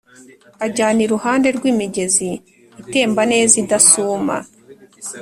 Anjyana I ruhande rw’imigezi itemba neza idasuma